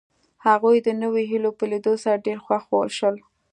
هغوی د نویو هیلو په لیدو سره ډېر خوښ شول